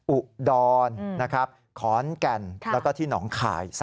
อุดรนะครับขอนแก่นแล้วก็ที่หนองข่าย